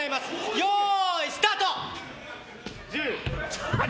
よーい、スタート！